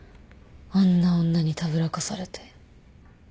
あんな女にたぶらかされて。